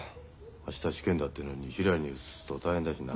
明日試験だってのにひらりにうつすと大変だしな。